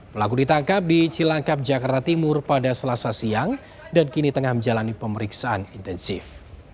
pelaku ditangkap di cilangkap jakarta timur pada selasa siang dan kini tengah menjalani pemeriksaan intensif